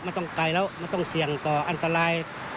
ต้องไกลแล้วมันต้องเสี่ยงต่ออันตราย